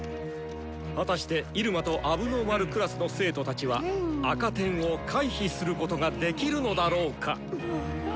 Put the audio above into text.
果たして入間と問題児クラスの生徒たちは赤点を回避することができるのだろうか？